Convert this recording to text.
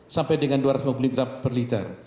sampai dengan dua ratus lima puluh mg per liter